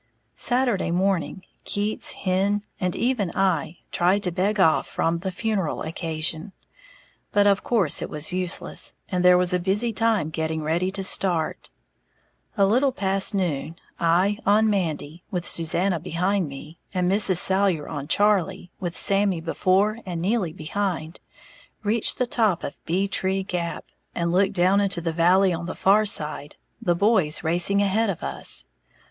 Saturday morning, Keats, Hen and even I tried to beg off from the funeral occasion; but of course it was useless; and there was a busy time getting ready to start. A little past noon, I, on Mandy, with Susanna behind me, and Mrs. Salyer on Charlie, with Sammy before and Neely behind, reached the top of Bee Tree Gap, and looked down into the valley on the far side, the boys racing ahead of us.